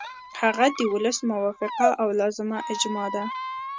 هغه د ولس موافقه او لازمه اجماع ده.